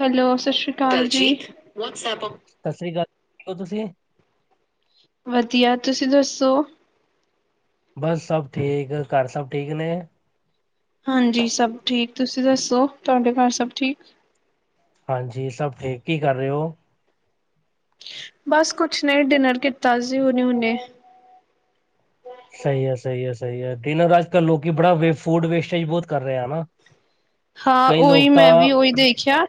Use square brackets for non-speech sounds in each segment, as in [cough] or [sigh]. Hello ਸਤਿ ਸ਼੍ਰੀ ਅਕਾਲ ਜੀ। ਸਤਿ ਸ੍ਰੀ ਅਕਾਲ ਠੀਕ ਹੋ ਤੁਸੀ ਵਧੀਆ ਤੁਸੀਂ ਦੱਸੋ। ਬਸ ਸਭ ਠੀਕ ਘਰ ਸਭ ਠੀਕ ਨੇ। ਹਾਂਜੀ ਸਭ ਠੀਕ ਤੁਸੀਂ ਦੱਸੋ ਤੁਹਾਡੇ ਘਰ ਸਭ ਠੀਕ। ਹਾਂਜੀ ਸਭ ਠੀਕ ਹੀ ਕਰ ਰਹੇ ਹੋ। ਬਸ ਕੁਛ ਨੇ ਡਿਨਰ ਕੀਤਾ ਸੀ ਹੁਨੇ-ਹੁਨੇ ਸਹੀ ਹੈ-ਸਹੀ ਹੈ-ਸਹੀ ਹੈ ਡਿਨਰ ਅੱਜ ਕੱਲ ਲੋਕ ਬੜਾ ਵੇ ਫੂਡ ਵੇਸਟੇਜ ਬਹੁਤ ਕਰ ਰਹੇ ਨਾ। ਹਾਂ ਕਈ ਉਹੀ ਲੋਕ ਤਾਂ ਮੈਂ ਵੀ ਉਹੀ ਦੇਖਿਆ।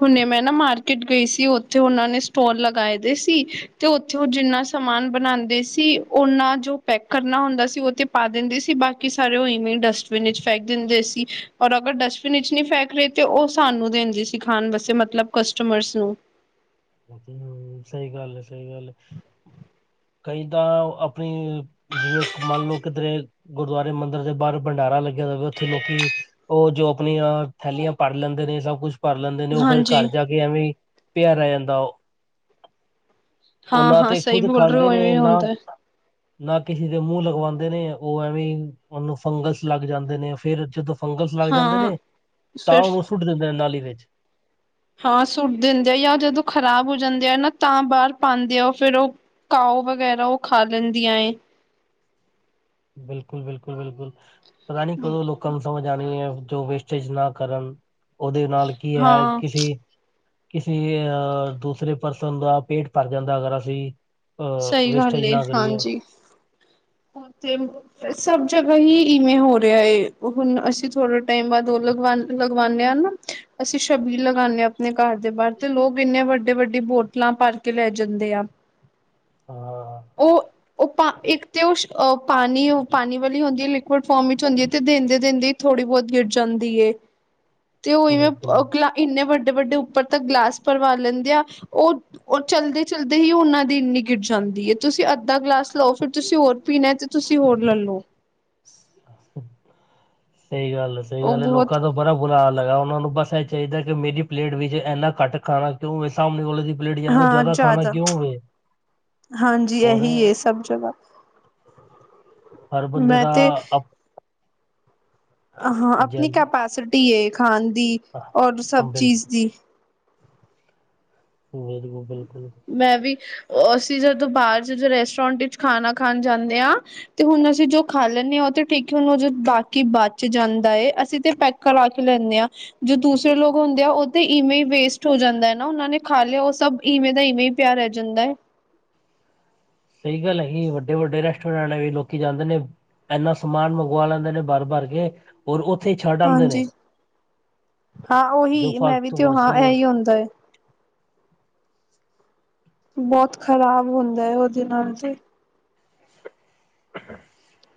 ਹੁਣੇੇ ਮੈਂ ਨਾ ਮਾਰਕੀਟ ਗਈ ਸੀ ਉੱਥੇ ਉਹਨਾਂ ਨੇ ਸਟੋਲ ਲਗਾਏ ਦੇ ਸੀ ਤੇ ਜੌ ਜਿੰਨਾ ਸਮਾਨ ਬਣਾਉਂਦੇ ਸੀ ਓਨਾ ਜੋ ਪੈਕ ਕਰਨਾ ਹੁੰਦਾ ਸੀ ਉਹ ਤੇ ਪਾ ਦਿੰਦੇ ਸੀ ਬਾਕੀ ਸਾਰੇ ਉਹ ਇਵੇਂ ਹੀ ਡਸਟਬਿਨ ਵਿੱਚ ਫੇਕ ਦਿੰਦੇ ਸੀ ਔਰ ਅਗਰ ਡਸ ਡਸਟਬਿਨ ਚ ਨਹੀ ਫੰਕ ਰਿਹੈ ਤੇ ਉਹ ਸਾਨੂੰ ਦਿੰਦੀ ਸਿਖਾਣ ਵੈਸੇ ਮਤਲਬ ਕਸਟਮਰਸ ਨੂੰ।, ਹਮ ਸਹੀ ਗੱਲ ਹੈ -ਸਹੀ ਗੱਲ ਹੈ।, ਕਈ ਤਾਂ ਆਪਣੀ ਜਿਵੇਂ ਮੰਨ ਲਓ ਕਿਧਰੇ ਗੁਰਦੁਆਰੇ ਮੰਦਿਰ ਦੇ ਬਾਹਰ ਭੰਡਾਰਾ ਲੱਗਿਆ ਜਾਵੇ ਉੱਥੇ ਲੋਕੀ ਉਹ ਜੋ ਆਪਣੀਆਂ ਥੈਲੀਆਂ ਭਰ ਲੈਂਦੇ ਨੇ ਸਭ ਕੁਛ ਭਰ ਲੈਂਦੇ ਨੇ ਉਹ ਫੇਰ ਹਾਂਜੀ ਘਰ ਜਾ ਕੇ ਐਵੇਂ ਪਿਆ ਰਹਿ ਜਾਂਦਾ ਉਹ। ਉਹ ਨਾ ਹਾਂ-ਹਾਂ ਤੇ ਸਹੀ ਖੁਦ ਬੋਲ ਰਹੇ ਖਾਂਦੇ ਹੋ ਨੇ ਇਵੇਂ ਨਾ ਹੁੰਦਾ ਨਾ ਕਿਸੇ ਦੇ ਮੂੰਹ ਲਗਵਾਉਂਦੇ ਨੇ, ਉਹ ਐਵੇਂ ਉਹਨੂੰ ਫੰਗਲਸ ਲੱਗ ਜਾਂਦੇ ਨੇ ਫੇਰ ਜਦੋਂ ਫੰਗਲਸ ਲੱਗ ਜਾਂਦੇ ਹਾਂ ਨੇ, ਤਾਂ ਸਿਰਫ ਉਹਨੂੰ ਸੁੱਟ ਦਿੰਦੇ ਨੇ ਨਾਲੀ ਵਿੱਚ। ਹਾਂ ਸੁੱਟ ਦਿੰਦੇ ਆ ਜਾਂ, ਉਹ ਜਦੋਂ ਖ਼ਰਾਬ ਹੋ ਜਾਂਦੇ ਆ ਨਾ, ਤਾਂ ਬਾਹਰ ਪਾਉਂਦੇ ਆ ਉਹ ਫਿਰ ਉਹ ਕਾਉ ਵਗੈਰਾ ਉਹ ਖਾ ਲੈਂਦੀਆਂ ਏ। ਬਿਲਕੁਲ-ਬਿਲਕੁਲ-ਬਿਲਕੁਲ, ਪਤਾ ਨੀ ਕਦੋਂ ਲੋਕਾਂ ਨੂੰ ਸਮਝ ਆਉਣੀ ਹੈ ਜੋ ਵਸ ਪਿਛਲਾ ਕਰਮ ਉਹਦੇ ਨਾਲ ਕੀ ਹੈ, ਹਾਂ ਕਿਸੀ ਕਿਸੇ ਅਹ ਦੂਸਰੇ ਪਰਸਨ ਦਾ ਪੇਟ ਭਰ ਜਾਦਾ, ਅਗਰ ਅਸੀ ਅ ਸਹੀ ਗੱਲ ਵੇਸਟੇਜ ਏ ਨਾ ਕਰੀਏ, ਹਾਂਜੀ [unintelligible] ਸਭ ਜਗ੍ਹਾ ਹੀ ਵੇਂ ਹੋ ਰਿਹਾ ਹੈ, ਹੁਣ ਅਸੀ ਥੋੜੇ ਟਾਈਮ ਬਾਅਦ ਉਹ ਲਗਵਾਨ ਲਗਵਾਉਂਦੇ ਹਾ ਨਾ ਅਸੀ ਛਬੀ ਲਗਾਉਦੇ ਹਾਂ, ਆਪਣੇ ਘਰ ਦੇ ਬਾਹਰ ਤੇ ਲੋਕ ਇਨੇ ਵੱਡੀ-ਵੱਡੀ ਬੋਤਲਾਂ ਭਰ ਕੇ ਲੈ ਜਾਦੇ ਆ [inaudible] ਉਹ- ਉਹ ਪਾ ਇਕ ਤੇ ਉਹ ਪਾਣੀ-ਪਾਣੀ ਵਾਲੀ ਹੁੰਦੀ ਹੈ, ਲਿਕੁਡ ਫੋਮ ਵਿਚ ਹੁੰਦੀ ਹੈ, ਤੇ ਦਿਦੇ ਦਿਦੇ ਥੋੜ੍ਹੀ ਬਹੁਤ ਗਿਰ ਜਾਦੀ ਹੈ। [inaudible] ਤੇ ਉਹ ਇਵੇਂ ਬਿਲਕੁਲ ਇਨੇ ਵੱਡੇ-ਵੱਡੇ ਉਪਰ ਤ ਗਲਾਸ ਭਵਾ ਲੈਦੇ ਆ ਉਹ ਉਹ ਚਲਦੇ-ਚਲਦੇ ਹੀ ਉਹਨਾਂ ਦੀ ਵਿਕਟ ਚਲਦੀ ਹੈ। ਤੁਸੀ ਅੰਧਾ ਗਲਾਸ ਲਓ ਫਿਰ ਤੁਸੀ ਹੋਰ ਪੀਣਾ ਤੇ ਤੁਸੀ ਹੋਰ ਲੈ ਲੋ ਸਹੀ ਗੱਲ ਹੈ, ਸਹੀ ਉਹ ਗੱਲ ਹੈ, ਬਹੁਤ ਲੋਕਾਂ ਤੋ ਬੜਾ ਬੁਲਾ ਲਗਾ ਉਹਨਾ ਨੂੰ ਬਸ ਇਹ ਚਾਹੀਦਾ, ਕਿ ਮੇਰੀ ਪਲੇਟ ਵਿਚ ਇਨਾ ਘੱਟ ਖਾਣਾ ਕਿਉ ਵੇ ਸਾਹਮਣੇ ਬੋਲੇ ਪਲੇਟ ਅੰਦਰ ਹਾਂ ਜਿਆਦਾ ਖਾਣਾ ਜ਼ਿਆਦਾ ਕਿਉ ਵੇ ਹਾਂਜੀ ਇਹੀ ਹੈ, ਸਭ ਜਗਾ ਹਰ ਬੰਦੇ ਦਾ ਆਪ ਹਾਂ ਹਾਂਜੀ ਆਪਣੀ ਹਾਂਜੀ ਕੈਪੈਸਿਟੀ ਖਾਣ ਦੀ ਹਾਂ, ਔਰ ਸਭ ਹਾਂ, ਚੀਜ਼ ਬਿਲਕੁਲ ਦੀ ਬਿਲਕੁਲ-ਬਿਲਕੁਲ, ਮੈਂ ਵੀ ਅਸੀ ਜਦੋ ਬਾਹਰ ਜਦੋ ਰੈਸਟੋਰੈਂਟ ਵਿਚ ਖਾਣਾ ਖਾਣ ਜਾਦੇ ਹਾਂ ਤੇ ਹੁਣ ਅਸੀ ਜੋ ਖਾ ਲੈਦੇ ਹਾਂ, ਉਹ ਤੇ ਠੀਕ ਐ ਉਹ ਬਾਕੀ ਬਚ ਜਾਦਾ ਹੈ, ਅਸੀ ਤੇ ਪ ਕਰਾ ਕੇ ਲੈਂਦੇ ਹਾਂ, ਜੋ ਦੂਸਰੇ ਲੋਕ ਹੁਦੇ ਆ ਉਹ ਤੇ ਇਵੇੇ ਵੇਸਟ ਹੋ ਜਾਦਾ ਹੈ, ਨਾ ਉਹਨਾ ਨੇ ਖਾ ਲਿਆ ਉਹ ਸਭ ਇਵੇ ਦਾ ਇਵੇ ਹੀ ਪਿਆਰ ਰਹਿ ਜਾਦਾ ਹੈਏ ਸਹੀ ਗੱਲ ਹੈ, ਵੱਡੇ-ਵੱਡੇ ਰੈਸਟੋਰੈਟ ਵਾਲ ਵੀ ਲੋਕੀ ਜਾਦੇ ਨੇ ਇਨਾ ਸਮਾਨ ਮੰਗਵਾ ਲੈਦੇ ਨੇ ਭਰ-ਭਰ ਕੇ ਔਰ ਉਥੇ ਹੀ ਛੱਡ ਆਉਦੇ ਨੇ, ਹਾਂਜੀ ਹਾਂ ਜੋ ਉਹੀ ਫਰਕ ਮੈਂ ਵੀ ਤੋ ਤੇ ਹਾਂ ਬਸੇ ਇਹੀ ਹੁੰਦਾ [unintelligible] ਬਹੁਤ ਖਰਾਬ ਹੁੰਦਾ ਹੈ, ਉਹਦੇ ਨਾਲ ਤੇ [inaudible]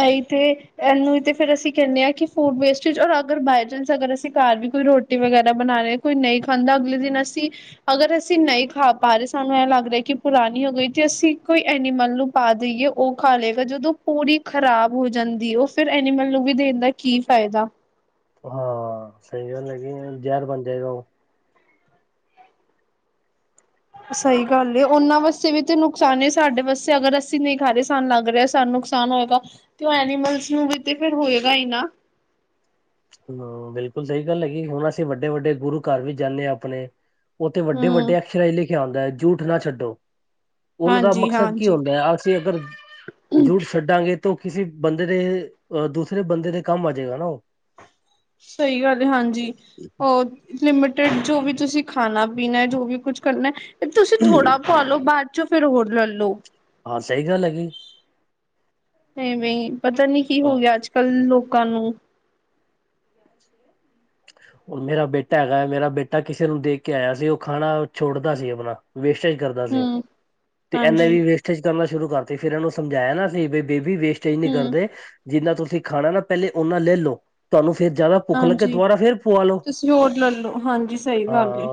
ਅਈ ਤੇ ਇਹਨੂੰ ਤੇ ਫੇਰ ਅਸੀ ਕਹਿਦੇ ਹਾਂ, ਕਿ ਫੂਡ ਵੇਸਟੇਜ ਔਰ ਅਗਰ ਬਏ ਚਾਂਸ ਅਗਰ ਅਸੀ ਘਰ ਵੀ ਕੋਈ ਰੋਟੀ ਵਗੈਰਾ ਬਣਾ ਰ ਕੋਈ ਨਹੀਂ ਖਾਂਦਾ, ਅਗਲੇ ਦਿਨ ਅਸੀ, ਅਗਰ ਅਸੀਂ ਨਹੀ ਖਾ ਪਾ ਰਹੇ ਸਾਨੂੰ ਇਹ ਲਗ ਰਿਹਾ, ਕਿ ਪੁਰਾਣੀ ਹੋ ਗਈ ਤੇ ਅਸੀ ਕੋਈ ਐਨੀਮਲ ਨੂੰ ਪਾ ਦੇਈਏ ਉਹ ਖਾ ਲਏਗਾ ਜਦੋ ਪੂਰੀ ਖ਼ਰਾਬ ਹੋ ਜਾਦੀ, ਉਹ ਫਿਰ ਐਨੀਮਲ ਨੂੰ ਵੀ ਦੇਣ ਦਾ ਕੀ ਫਾਇਦਾ ਹਾਂ ਸਹੀ ਗੱਲ ਹੈਗੀ [unintelligible] ਜਹਿਰ ਬਣ ਜਾਏਗਾ ਉਹ ਸਹੀ ਗੱਲ ਏ ਉਹਨਾਂ ਵਾਸਤੇ ਵੀ ਤੇ ਨੁਕਸਾਨ ਏ ਸਾਡੇ ਵਾਸਤੇ ਅਗਰ ਅਸੀ ਨਹੀ ਖਾ ਰ ਸਾਨੂੰ ਲੱਗ ਰਿਹਾ ਸਾਨੂੰ ਨੁਕਸਾਨ ਹੋਏਗਾ ਤੇ ਉਹ ਐਨੀਮਲਸ ਨੂੰ ਵੀ ਤੇ ਫਿਰ ਹੋਏਗਾ ਹੀ ਨਾ ਹਮ ਬਿਲਕੁਲ ਸਹੀ ਗਲ ਹੈਗੀ ਹੁਣ ਅਸੀ ਵਡੇ ਵਡੇ ਗੁਰੂ ਘਰ ਵੀ ਜਾਦੇ ਹਾਂ ਆਪਣੇ ਉਹਥੇ ਵਡੇ ਵਡੇ ਹੂੰ ਐਕਸ਼ਰਾਂ ਚ ਲਿਖਿਆ ਹੁੰਦਾ ਜੂਠ ਨਾ ਛਡੋ ਉਹਨਾ ਦਾ ਹਾਂਜੀ ਮਕਸਦ ਕੀ ਹਾਂਜੀ ਹੁੰਦਾ ਹੈ ਅਕਸੀ ਅਗਰ ਜਠ ਛੱਡਾਂਗੇ ਤਾਂ ਉਹ ਕਿਸੇ ਬੰਦੇ ਦੇ ਅ ਦੂਸਰੇ ਬੰਦੇ ਦੇ ਕੰਮ ਆ ਜੇਗਾ ਨਾ ਉਹ ਸਹੀ ਗੱਲ ਹਾਂਜੀ ਹੋਰ ਲਿਮਿਟਿਡ ਜੋ ਵੀ ਤੁਸੀ ਖਾਣਾ ਪੀਣਾ ਜੋ ਵੀ ਕੁਛ ਕਰਨਾ ਤੁਸੀ ਥੋੜਾ ਪਾ ਲੋ ਬਾਅਦ ਚੋ ਫੇਰ ਹੋਰ ਲੈਲੋ ਹਾਂ ਸਹੀ ਗੱਲ ਹੈਗੀ ਘੈਵੀ [unintelligible] ਪਤਾ ਨੀ ਕੀ ਹੋ ਗਿਆ ਹੁਣ ਅੱਜ ਕੱਲ ਲੋਕਾਂ ਨੂੰ ਅੱ [inaudible] ਉਹ ਮੇਰਾ ਬੇਟਾ ਹੈਗਾ ਮੇਰਾ ਬੇਟਾ ਕਿਸੇ ਨੂੰ ਦੇਖ ਕੇ ਆਇਆ ਸੀ ਉਹ ਖਾਣਾ ਛੋੜਦਾ ਸੀ ਆਪਣਾ ਵੇਸਟੇਜ ਕਰਦਾ ਸੀ ਹੂੰ ਤੇ ਐਨੇ ਹਾਂਜੀ ਵੀ ਵੇਸਟ ਟੇਜ ਕਰਨਾ ਸ਼ੁਰੂ ਕਰਤੀ ਫਿਰ ਇਹਨੂੰ ਸਮਝਾਇਆ ਨਾ ਅਸੀ ਬੇਬੀ ਵੇਸਟੇਜ ਨਹੀਂ ਹੂੰ ਕਰਦੇ ਜਿੰਨਾ ਤੁਸੀਂ ਖਾਣਾ ਨਾ ਪਹਿਲੇ ਓਨਾ ਲੈ ਲਓ ਤੁਹਾਨੂੰ ਫੇਰ ਜਾਦਾ ਭੁੱਖ ਲੱਗੇ ਹਾਂਜੀ ਦੁਬਾਰਾ ਫੇਰ ਪਵਾ ਲੋ ਤੁਸੀਂ ਹੋਰ ਲੈਲੋ ਹਾਂਜੀ ਸਹੀ ਗੱਲ ਏ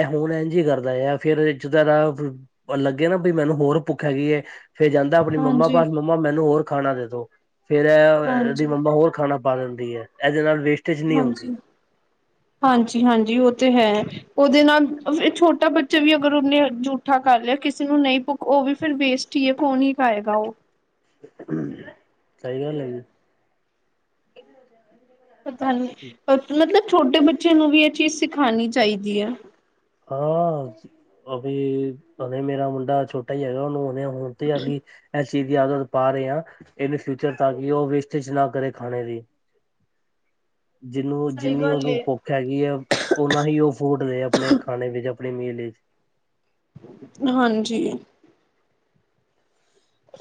ਐਹ ਹੁਣ ਇੰਝ ਹੀ ਕਰਦਾ ਆ ਫੇਰ ਜਿਦਾ ਦਾ ਲੱਗੇ ਨਾ ਬ ਮੈਨੂੰ ਹੋਰ ਭੁੱਖ ਹੈਗੀ ਐ ਫੇਰ ਜਾਂਦਾ ਆਪਣੀ ਮੰਮਾ ਹਾਂਜੀ ਪਾਸ ਮੰਮਾ ਮੈਨੂੰ ਹੋਰ ਖਾਣਾ ਦੇਦੋ ਫੇਰ ਐ ਏਦੀ ਹਾਂਜੀ ਮੰਮਾ ਹੋਰ ਖਾਣਾ ਪਾ ਦਿੰਦੀ ਐ ਐਦੇ ਨਾਲ ਵੇਸਟ ਹਾਂਜੀ ਹਾਂਜੀ ਹਾਂਜੀ ਉਹ ਤੇ ਹੈ ਉਦੇ ਨਾਲ [unintelligible] ਛੋਟਾ ਬੱਚਾ ਵੀ ਅਗਰ ਉਹਨੇ ਜੂਠਾ ਕਰ ਲਿਆ ਕਿਸੇ ਨੂੰ ਨਹੀਂ ਭੁੱਕ ਉਹ ਵੀ ਫਿਰ ਵੇਸਟ ਟ ਈ ਏ ਕੌਣ ਹੀ ਖਾਏਗਾ ਉਹ ਸਹੀ ਗੱਲ ਹੈ ਜੀ ਪਤਾ ਨੀ ਜੀ ਪਰ ਮਤਲਬ ਛੋਟੇ ਬੱਚੇ ਨੂੰ ਵੀ ਇਹ ਚੀਜ਼ ਸਿਖਾਉਣੀ ਚਾਹੀਦੀ ਆ ਹਾਂ ਅਭੀ ਅਭੇ ਮੇਰਾ ਮੁੰਡਾ ਛੋਟਾ ਹੈਗਾ ਉਹਨੂੰ ਹੁਣੇ ਰੋਟੀ ਘਾ ਗਈ [unintelligible] ਚੀਜ਼ ਦੀ ਆਦਤ ਪਾ ਰਹੇ ਹਾਂ ਏਦੇ ਫਿਊਚਰ ਤਾਂ ਕਿ ਉਹ ਵੇਸਟੇਜ ਨਾ ਕਰੇ ਖਾਣੇ ਦੀ ਜਿਹਨੂੰ ਸਹੀ ਜਿੰਨੀ ਗੱਲ ਨੂੰ ਏ। ਭੁੱਖ ਹੈਗੀ ਹੈ ਓਨਾ ਹੀ ਉਹ ਫੂਟ ਨੇ ਆਪਣੇ ਖਾਣੇ ਵਿੱਚ ਆਪਣੀ ਮੀਲ ਵਿੱਚ ਹਾਂਜੀ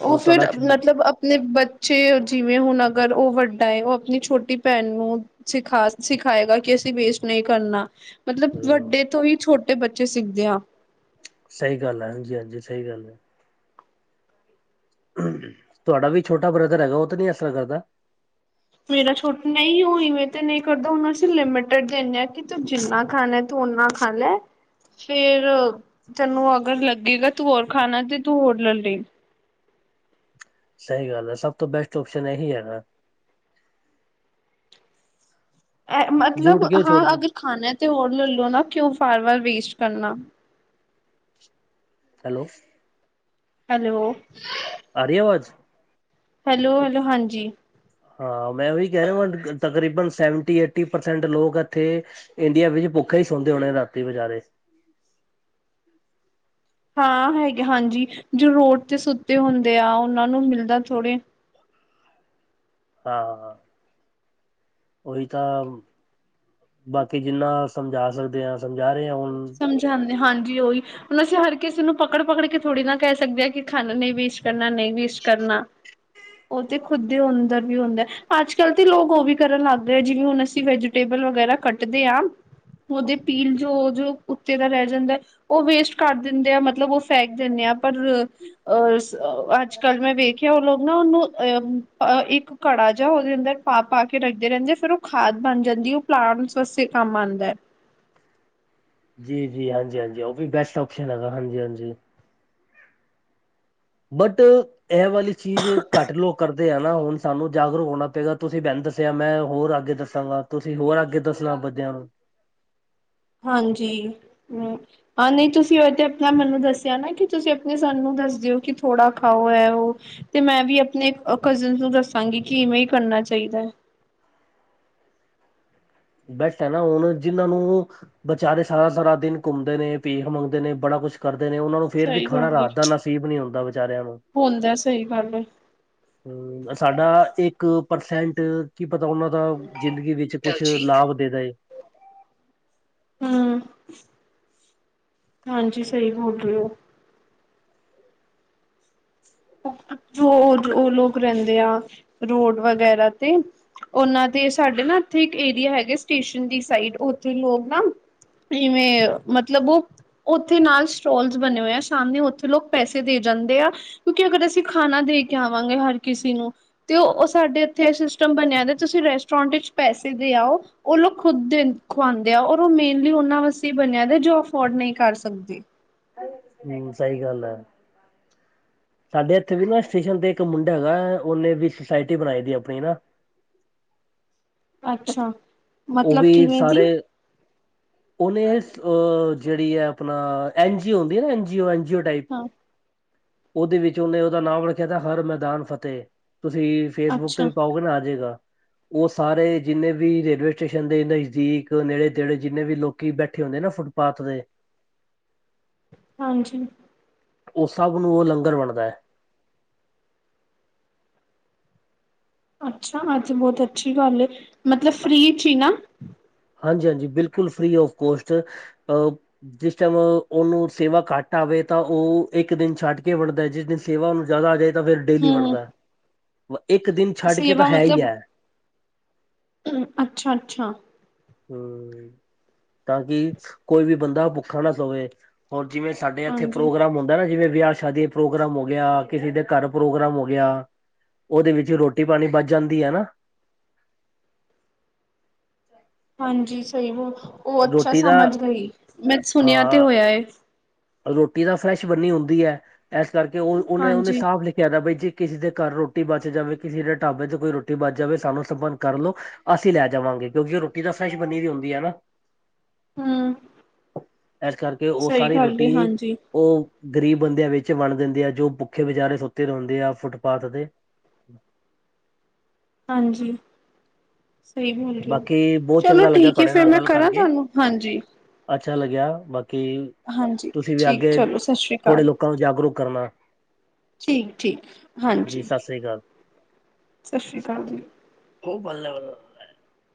ਉਹ ਫੇਰ ਮਤਲਬ ਨੇ ਬੱਚੇ ਜਿਵੇਂ ਹੁਣ ਅਗਰ ਉਹ ਵੱਡਾ ਐ ਉਹ ਆਪਣੀ ਛੋਟੀ ਭੈਣ ਨੂੰ ਸਿਖਾ ਸਿਖਾਏਗਾ ਕਿ ਅਸੀਂ ਵੇਸਟ ਨਹੀਂ ਕਰਨਾ ਮਤਲਬ ਹਮ ਵੱਡੇ ਤੋਂ ਹੀ ਛੋਟੇ ਬੱਚੇ ਸਿੱਖਦੇ ਆ ਸਹੀ ਗੱਲ ਹੈ ਹਾਂਜੀ ਹਾਂਜੀ ਸਹੀ ਗੱਲ ਹੈ ਤੁਹਾਡਾ ਵੀ ਛੋਟਾ ਬ੍ਰਦਰ ਹੈਗਾ ਉਹ ਤਾਂ ਨਹੀਂ ਐਸ ਤਰਹਾ ਕਰਦਾ ਮੇਰਾ ਛੋਟ ਨਹੀਂ ਉ ਇਵੇ ਤੇ ਨਹੀਂ ਕਰਦਾ ਹੁਣੂੰ ਅਸੀਂ ਲਿਮੀਟੇਡ ਦਿੰਦੇ ਹਾਂ ਕਿ ਤੂੰ ਜਿੰਨਾ ਖਾਣਾ ਐ ਤੁ ਓਨਾ ਖਾ ਲੈ ਫੇਰ ਤੈਨੂੰ ਅਗਰ ਲੱਗੇਗਾ ਤੂੰ ਹੋਰ ਖਾਣਾ ਤੇ ਤੂੰ ਹੋਰ ਲਲੀ ਸਹੀ ਗੱਲ ਹੈ ਸਭ ਤੋਂ ਬੈਸਟ ਓਪਸ਼ਨ ਇਹੀ ਹੈਗਾ ਐ ਮਤਲਬ ਜੂਠ ਕਿਉਂ ਹਾਂ ਛੋੜਨੀ ਅਗਰ ਖਾਣਾ ਤੇ ਹੋਰ ਲੈਲੋ ਨਾ ਕਉ ਵਾਰ ਵਾਰ ਵੇਸਟ ਕਰਨਾ ਹੈਲੋ ਹੈਲੋ ਆਰੀ ਅਵਾਜ਼ ਹੈਲੋ ਹੈਲੋ ਹਾਂਜੀ ਹਾਂ ਮੈਂ ਵੀ ਉਹੀ ਕਹਿ ਰਿਹਾ ਵਾਂ ਤਕਰੀਬਨ ਸੈਵਨਟੀ ਏਟੀ ਪਰਸੈਂਟ ਲੋਕ ਐਥੇ ਇੰਡੀਆ ਵਿੱਚ ਭੁੱਖੇ ਹੀ ਸੌਦੇ ਹੋਣੇ ਰਾਤੀ ਵਿਚਾਰੇ ਹਾਂ ਹੈਗੇ ਹਾਂਜੀ ਜੋ ਰੋਡ ਤੇ ਸੁੱਤੇ ਹੁੰਦੇ ਆ ਉਹਨਾਂ ਨੂੰ ਮਿਲਦਾ ਥੋੜ੍ਹੇ ਹਾਂ, ਉਹੀ ਤਾਂ ਬਾਕੀ ਜਿੰਨਾ ਸਮਝਾ ਸਕਦੇ ਹਾਂ ਸਮਝਾ ਰਹੇ ਹ ਹੁਣ। ਸਮਝਾਉਂਦੇ ਹਾਂਜੀ ਉਹੀ ਹੁਣ ਅਸੀਂ ਹਰ ਕਿਸੇ ਨੂੰ ਪਕੜ-ਪਕੜ ਕੇ ਥੋੜ੍ਹੀ ਨਾ ਕਹਿ ਸਕਦੇ ਹਾਂ ਕਿ ਖਾਨਾ ਨਹੀਂ ਵੇਸ ਕਹਿਦਾ ਨਹੀਂ ਵਿਸ਼ ਕਰਨਾ ਉਹ ਤੇ ਖੁੱਦ ਦੇ ਅੰਦਰ ਵੀ ਹੁੰਦਾ ਅਜ-ਕਲ ਤੇ ਲੋਕ ਉਹ ਵੀ ਕਰਨ ਲੱਗ ਗਏ ਜਿਵੇਂ ਹੁਣ ਅਸੀਂ ਵੈਜੀਟੇਬਲ ਵਗੈਰਾ ਕਟਦੇ ਹਾਂ। ਉਦੇ ਪੀਲ ਜੋ-ਜੋ ਉੱਤੇ ਦਾ ਰੈ ਜਾਂਦਾ ਉਹ ਵੇਸਟ ਕਰ ਦਿੰਦੇ ਆ ਮਤਲਬ ਉਹ ਫੈਕ ਦਿੰਦੇ ਹਾਂ ਪਰ ਅਹ-ਅਜ ਕਲ ਮੈਂ ਵੇਖਿਆ ਉਹ ਲੋਕ ਨੋ-ਨੋ, ਅਹ ਇੱਕ ਘੜਾ ਜਿਹਾ ਉਹਦੇ ਅੰਦਰ ਪਾ-ਪਾ ਕੇ ਰੱਖਦੇ ਰਹਿੰਦੇ ਆ ਫੇਰ ਉਹ ਖਾਦ ਬਣ ਜਾਂਦੀ। ਪਲਾਂਟਸ ਵਾਸਤੇ ਕੰਮ ਆਉਂਦਾ ਹੈ। ਜੀ-ਜੀ, ਹਾਂਜੀ-ਹਾਂਜੀ, ਉਹ ਵੀ ਬੈਸਟ ਓਪਸਨ ਹੈਗਾ ਹਾਂਜੀ-ਹਾਂਜੀ। ਬਟ ਇਹ ਵਾਲੀ ਚੀਜ਼ ਘੱਟ ਲੋਕ ਕਰਦੇ ਆ ਨਾ, ਹੁਣ ਸਾਨੂੰ ਜਾਗਰੂਕ ਹੋਣਾ ਪਏਗਾ, ਤੁਸੀਂ ਬੈਨੀ੍ਹ ਦੱਸਿਆ ਮੈਂ ਹੋਰ ਅਗੇ ਦੱਸਿਆ। ਸਾਨੂੰ ਆਪ, ਤੁਸੀਂ ਹੋਰ ਅੱਗੇ ਦੱਸਣਾ ਬੱਦਿਆਂ ਨੂੰ। ਹਾਂਜੀ, ਹੂੰ। ਹਾਂ, ਨਹੀਂ ਤੁਸੀਂ ਉਹ ਤੇ ਆਪਣਾ ਮੈਨੂੰ ਦੱਸਿਆ ਨਾ ਕਿ ਤੁਸੀਂ ਆਪਣੇ ਸਾਨੂੰ ਦੱਸ ਦਿਓ ਕਿ ਥੋੜ੍ਹਾ ਖਾਓ, ਐ-ਉਹ ਤੇ ਮੈਂ ਵੀ ਆਪਣੇ ਕਜਨ ਨੂੰ ਦੱਸਾਂਗੀ ਕਿ ਇਵੇਂ ਹੀ ਕਰਨਾ ਚਾਹੀਦਾ ਐ। ਬੈਸ ਹੈਨਾ, ਹੁਣ ਜਿਨਾਂ ਨੂੰ ਵਿਚਾਰੇ ਸਾਰਾ-ਸਾਰਾ ਦਿਨ ਘੁੰਮਦੇ ਨੇ, ਭੀਖ ਮੰਗਦੇ ਨੇ, ਬੜਾ ਕੁਛ ਕਰਦੇ ਨੇ ਉਹਨਾਂ ਨੂੰ ਫੇਰ ਵੀ ਸਹੀ ਖਾਣਾ ਗੱਲ ਏ ਰਾਤ ਦਾ ਨਸੀਬ ਨੀ ਹੁੰਦਾ, ਵਿਚਾਰਿਆਂ ਨੂੰ ਹੁੰਦਾ ਸਹੀ ਗੱਲ ਏ। ਹੂੰ, ਸਾਡਾ ਇੱਕ ਪਰਸੈਂਟ ਕੀ ਪਤਾ ਉਹਨਾਂ ਦਾ ਜ਼ਿੰਦਗੀ ਵਿੱਚ ਕੁਛ ਦਲਜੀਤ ਲਾਭ ਦੇ ਦੇ ਹੂੰ। ਹਾਂਜੀ, ਸਹੀ ਬੋਲ ਰਹੇ ਓ। [inaudible] ਜੋ ਉਹ ਲੋਕ ਰਹਿੰਦੇ ਆ, ਰੋਡ ਵਗੈਰਾ ਤੇ ਉਹਨਾਂ ਦੇ ਸਾਡੇ ਨਾ ਇਥੇ ਇੱਕ ਏਰੀਆ ਹੈਗੇ ਸਟੇਸ਼ਨ ਦੀ ਸਾਈਡ, ਓਥੇ ਲੋਕ ਨਾ ਇਵੇਂ ਮਤਲਬ ਉਹ ਉੱਥੇ ਨਾਲ ਸਟੋਲਸ ਬਣੇ ਹੋਏ ਆ ਸਾਹਮਣੇ ਉੱਥੇ ਲੋਕ ਪੈਸੇ ਦੇ ਜਾਂਦੇ ਆ। ਕਿਉਂਕਿ ਅਗਰ ਅਸੀਂ ਖਾਣਾ ਦੇ ਕੇ ਆਵਾਂਗੇ, ਹਰ ਕਿਸੇ ਨੂੰ ਤੇ ਉਹ ਸਾਡੇ ਇੱਥੇ ਇਹ ਸਿਸਟਮ ਬਣਿਆ, ਤੁਸੀਂ ਰੈਸਟੋਰੈਂਟ ਵਿੱਚ ਪੈਸੇ ਦੇ ਆਓ। ਉਹ ਲੋਕ ਖੁਦ ਦੇ ਖੁਵਾਉਂਦੇ ਆ, ਔਰ ਉਹ ਮੇਨਲੀ ਉਹਨਾਂ ਵਾਸਤੇ ਹੀ ਬਣਿਆ, ਜੋ ਅਫੋਰਡ ਨਹੀਂ ਕਰ ਸਕਦੇ। ਹੂੰ, ਸਹੀ ਗੱਲ ਹੈ। ਸਾਡੇ ਇੱਥੇ ਵੀ ਨਾ ਸਟੇਸ਼ਨ ਤੇ ਇੱਕ ਮੁੰਡਾ ਹੈਗਾ, ਉਹਨੇ ਵੀ ਸੋਸਾਇਟੀ ਬਣਾਈ ਦੀ ਆਪਣੀ ਨਾ। ਅੱਛਾ। ਉਹ ਮਤਲਬ ਵੀ ਕਿਵੇਂ ਦੀ ਸਾਰੇ ਉਹਨੇ ਜੇਹੜੀ ਆਪਣਾ ਐਨਜੀ ਓ ਹੁੰਦੀ ਨਾ, ਐਨ ਜੀ ਓ, ਐਨ ਜੀ ੳ ਟਾਇਪ ਹਾਂ ਉਹਦੇ ਵਿੱਚ ਉਹਨੇ ਉਹਦਾ ਨਾਮ ਰੱਖਿਆ ਤ ਹਰ ਮੈਦਾਨ ਫਤਿਹ, ਤੁਸੀਂ ਫੇਸਬੁੱਕ ਤੇ ਅੱਛਾ ਵੀ ਪਾਓਗੇ ਨਾ ਆ ਜੇਗਾ, ਉਹ ਸਾਰੇ ਜਿੰਨੇ ਵੀ ਰੇਲਵੇ ਸਟੇਸ਼ਨ ਦੇ ਨਜ਼ਦੀਕ ਨੇੜੇ-ਤੇੜੇ, ਜਿੰਨੇ ਵੀ ਲੋਕੀ ਬੈਠੇ ਹੁੰਦੇ ਨਾ ਫੁੱਟਪਾਥ ਤੇ [inaudible] ਹਾਂਜੀ। ਉਹ ਸਭ ਨੂੰ ਉਹ ਲੰਗਰ ਵੰਡਦਾ ਹੈ। ਅੱਛਾ ਅੱਜ ਬਹੁਤ ਅੱਛੀ ਗੱਲ ਏ। ਮਤਲਬ ਫ੍ਰਰੀ ਚ ਹੀ ਨਾ। ਹਾਂਜੀ-ਹਾਂਜੀ, ਬਿਲਕੁਲ ਫ੍ਰਰੀ ਆਫ ਕੋਸਟ ਅ ਜਿਸ ਟਾਈਮ ਉਹਨੂੰ ਸੇਵਾ ਘੱਟ ਆਵੇ ਤਾਂ ਉਹ ਇੱਕ ਦਿਨ ਛੱਡ ਕੇ ਵੰਡਦਾ, ਜਿਸ ਦਿਨ ਸੇਵਾ ਉਹਨੂੰ ਜ਼ਿਆਦਾ ਆ ਜਾਵੇ। ਤਾਂ ਫਿਰ ਡੇਲੀ ਹੂੰ ਬਣਦਾ, ਇੱਕ ਦਿਨ ਛੱਡ ਕੇ ਤਾਂ ਸੇਵਾ ਹੈ ਹੀ ਐ। ਅੱਛਾ-ਅੱਛਾ। ਹੂੰ, ਤਾਂ ਕਿ ਕੋਈ ਵੀ ਬੰਦਾ ਭੁੱਖਾ ਨਾ ਸੋਵੇ, ਓਰ ਜਿਵੇਂ ਸਾਡੇ ਇੱਥੇ ਹਾਂਜੀ ਪ੍ਰੋਗਰਾਮ ਹੁੰਦਾ ਨਾ, ਜਿਵੇਂ ਵਿਆਹ ਸ਼ਾਦੀ ਪ੍ਰੋਗਰਾਮ ਹੋ ਗਿਆ, ਕਿਸੇ ਦੇ ਘਰ ਪ੍ਰੋਗਰਾਮ ਹੋ ਗਿਆ। ਉਹਦੇ ਵਿੱਚ ਰੋਟੀ-ਪਾਣੀ ਬਚ ਜਾਂਦੀ ਹੈ ਨਾ? ਹਾਂਜੀ, ਸਹੀ ਵ, ਉਹ ਅੱਛਾ ਰੋਟੀ ਦਾ ਸਮਝ ਗਈ ਮੈਂ ਸੁਣਿਆ ਤੇ ਹਾਂ ਹੋਇਆ। ਰੋਟੀ ਤਾਂ ਫਰੈਸ਼ ਬਣੀ ਹੁੰਦੀ ਐ, ਐਸ ਕਰਕੇ ਉਹ, ਉਹਨੇ-ਉਹਨੇ ਹਾਂਜੀ ਸਾਫ਼ ਲਿਖ ਯਾ ਤਾ ਬਾਈ, ਜੇ ਕਿਸੇ ਦੇ ਘਰ ਰ੍ਹੋਟੀ ਬਚ ਜਾਵੇ, ਕਿਸੇ ਦੇ ਢਾਬੇ ਤੇ ਕੋਈ ਰ੍ਹੋਟੀ ਬਚ ਜਾਵੇ, ਸਾਨੂੰ ਸੰਪੰਨ ਕਰਲੋ। ਅਸੀਂ ਲੈ ਜਾਵਾਂਗੇ, ਕਿਉਂਕਿ ਉਹ ਰ੍ਹੋਟੀ ਤਾਂ ਫਰੈਸ਼ ਬਨੀਦੀ ਹੁੰਦੀ ਆ ਨਾ। ਹੂੰ ਐਸ ਕਰਕੇ, ਉਹ ਸਹੀ ਸਾਰੀ ਰ੍ਹੋ ਗੱਲ ਏ ਹਾਂਜੀ ਉਹ ਗ਼ਰੀਬ ਬੰਦਿਆਂ ਵਿੱਚ ਵੰੜ ਦਿੰਦੇ ਆ, ਜੋ ਭੁੱਖੇ ਵਚਾਰੇ ਸੁੱਤੇ ਰ ਹੁੰਦੇ ਆ, ਫੁੱਟਪਾਥ ਤੇ। ਹਾਂਜੀ। ਸਹੀ ਬੋਲ ਰਹੇ ਓ। ਬਾਕੀ ਬਹੁਤ ਚਲੋ ਚੰਗਾ ਲੱਗਿਆ ਠੀਕ ਹੈ, ਤੁਹਾਡੇ ਫਿਰ ਨਾਲ ਮੈਂ ਗੱਲ ਕਰਾਂ ਕਰਕੇ ਤੁਹਾਨੂੰ? ਹਾਂਜੀ। ਅੱਛਾ ਲੱਗਿਆ ਬਾਕੀ ਹਾਂਜੀ। ਠੀਕ, ਚਲੋ, ਸਤਿ ਸ੍ਰੀ ਅਕਾਲ। ਕਾ ਨੂੰ ਜਾਗਰੂਕ ਕਰਨਾ। ਠੀਕ-ਠੀਕ, ਹਾਂਜੀ। ਸਰੀ ਅਕਾਲ। ਸਸ਼੍ਰੀ ਕਾਲ ਜੀ। ਓ ਬੱਲ